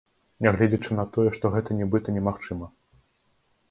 Нягледзячы на тое, што гэта нібыта немагчыма.